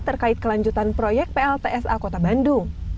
terkait kelanjutan proyek pltsa kota bandung